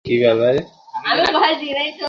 আমরা চলো হেঁটে আসি!